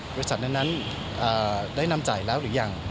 บริษัทนั้นได้นำจ่ายแล้วหรือยัง